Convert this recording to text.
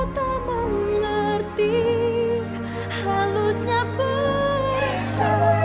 sampai jumpa di video selanjutnya